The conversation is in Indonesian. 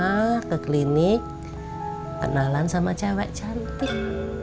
bikin mama ke klinik kenalan sama cewek cantik